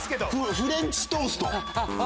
フレンチトースト。